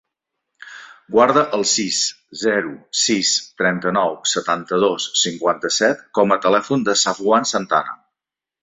Guarda el sis, zero, sis, trenta-nou, setanta-dos, cinquanta-set com a telèfon del Safwan Santana.